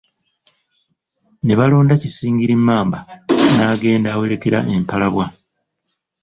Ne balonda Kisingiri Mmamba N'agenda awerekera Empalabwa!